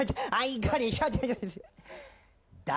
誰？